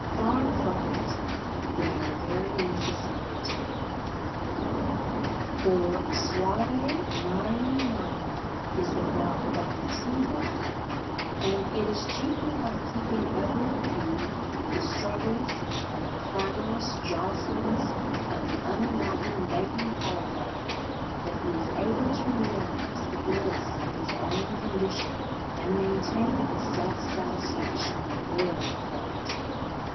Far from it: they are very necessary to him. For "Suave mari magno" is the motto of your true Loafer; and it is chiefly by keeping ever in view the struggles and the clamorous jostlings of the unenlightened making holiday that he is able to realise the bliss of his own condition and maintain his self satisfaction at boiling point.